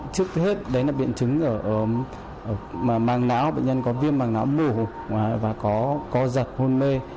trước hết đấy là biên chứng màng não bệnh nhân có viêm màng não mổ và có giật hôn mê